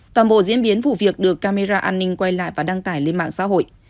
toàn bộ diễn biến vụ việc được camera an ninh quay lại và đăng tải lên mạng xã hội